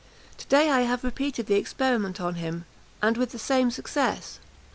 To day I have repeated the experiment on him, and with the same success.